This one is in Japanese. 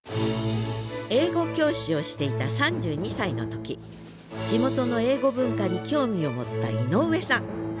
英語教師をしていた３２歳の時地元の英語文化に興味を持った井上さん。